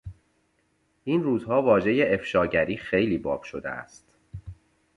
این روزها واژهی افشاگری خیلی باب شده است.